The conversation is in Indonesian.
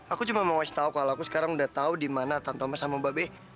aku cuma mau asetau kalau aku sekarang udah tau di mana tante thomas sama mbak be